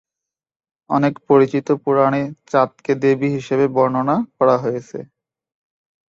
অনেক পরিচিত পুরাণে চাঁদকে দেবী হিসেবে বর্ণনা করা হয়েছে।